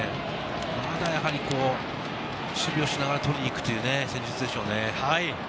まだやはり守備をしながら取りに行くという戦術ですね。